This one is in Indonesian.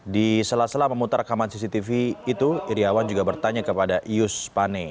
di sela sela memutar rekaman cctv itu iryawan juga bertanya kepada yus pane